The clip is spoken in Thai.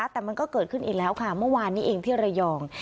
แต่มันก็เกิดขึ้นอีกแล้วค่ะเมื่อวานนี้เองที่ระยอง